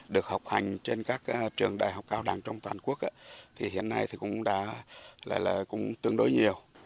được học hành trên các trường đại học cao đẳng trong toàn quốc thì hiện nay cũng tương đối nhiều